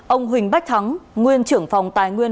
ông huỳnh bách thắng nguyên trưởng phòng tài nguyên